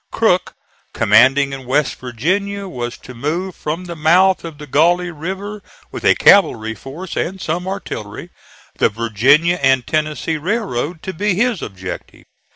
(*23) Crook, commanding in West Virginia, was to move from the mouth of the Gauley River with a cavalry force and some artillery, the Virginia and Tennessee Railroad to be his objective.